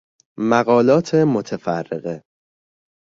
مقالات متفرقه